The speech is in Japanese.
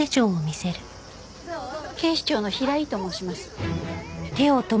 警視庁の平井と申します。